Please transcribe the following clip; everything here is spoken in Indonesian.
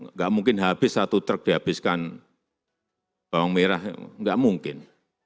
nggak mungkin habis satu truk dihabiskan bawang merah nggak mungkin